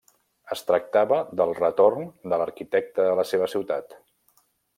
Es tractava del retorn de l'arquitecte a la seva ciutat.